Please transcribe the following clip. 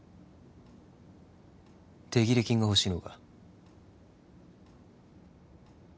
手切れ金がほしいのか？